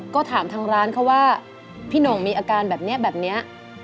ก็ถามทางร้านเขาว่าพี่หน่งมีอาการแบบนี้แบบนี้